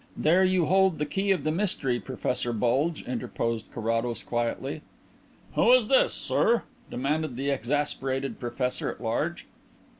"There you hold the key of the mystery, Professor Bulge," interposed Carrados quietly. "Who is this, sir?" demanded the exasperated professor at large.